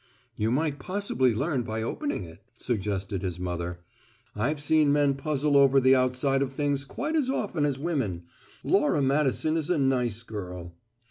"You might possibly learn by opening it," suggested his mother. "I've seen men puzzle over the outside of things quite as often as women. Laura Madison is a nice girl."